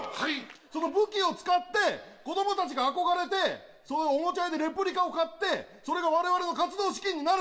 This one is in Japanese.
その武器を使って、子どもたちが憧れて、おもちゃ屋でレプリカ買って、それがわれわれの活動資金になる。